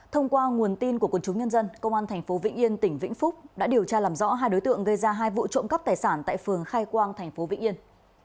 thông qua nguồn tin của quân chúng nhân dân công an tp vĩnh yên tỉnh vĩnh phúc đã điều tra làm rõ hai đối tượng gây ra hai vụ trộm cắp tài sản tại phường khai quang tp vĩnh yên